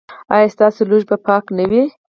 ایا ستاسو لوښي به پاک نه وي؟